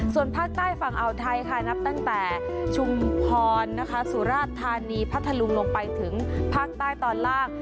ส่วนภาคใต้ฝั่งอ่าวไทยค่ะนับตั้งแต่ชุมพรนะคะสุราชธานีพัทธลุงลงไปถึงภาคใต้ตอนล่าง